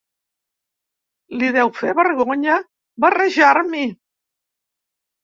Li deu fer vergonya barrejar-m'hi.